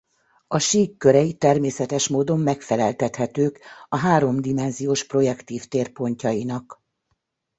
A sík körei természetes módon megfeleltethetők a háromdimenziós projektív tér pontjainak.